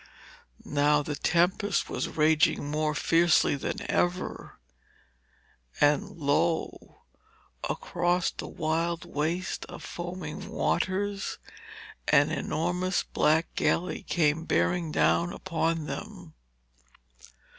Now the tempest was raging more fiercely than ever, and lo! across the wild waste of foaming waters an enormous black galley came bearing down upon them.